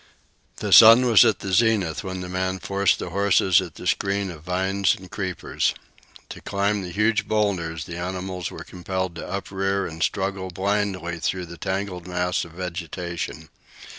The sun was at the zenith when the man forced the horses at the screen of vines and creepers. To climb the huge boulders the animals were compelled to uprear and struggle blindly through the tangled mass of vegetation.